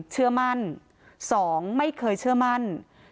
เชื่อมั่น๒ไม่เคยเชื่อมั่น